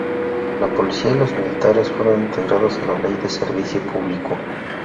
La Policía y los militares fueron integrados a la Ley de Servicio Público.